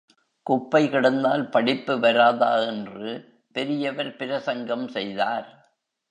குப்பை கிடந்தால் படிப்பு வராதா என்று பெரியவர் பிரசங்கம் செய்தார்.